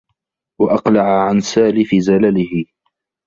وَأَقْلَعَ عَنْ سَالِفِ زَلَلِهِ